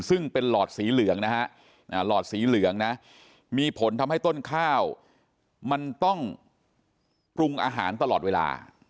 ซึ่งเป็นหลอดสีเหลืองนะฮะหลอดสีเหลืองนะมีผลทำให้ต้นข้าวมันต้องปรุงอาหารตลอดเวลา